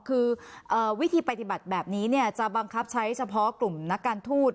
คือวิธีปฏิบัติแบบนี้จะบังคับใช้เฉพาะกลุ่มนักการทูต